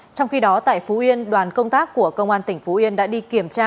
trong khi đó tại phú yên đoàn công tác của công an tỉnh phú yên đã đi kiểm tra